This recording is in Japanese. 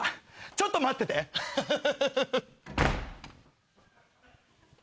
ちょっと待っててハハハ。